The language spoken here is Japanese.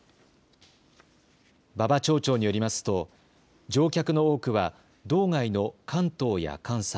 馬場町長によりますと乗客の多くは道外の関東や関西